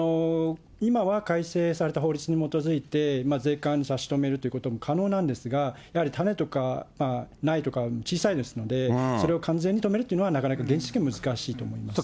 今は、改正された法律に基づいて、税関で差し止めるということも可能なんですが、やはり種とか、苗とか、小さいですので、それを完全に止めるというのは、なかなか現実的には難しいと思います。